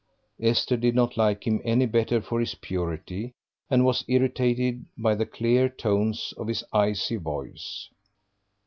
Esther did not like him any better for his purity, and was irritated by the clear tones of his icy voice.